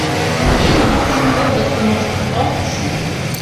Еҥ-влакын пӧрдыктымышт ок шу.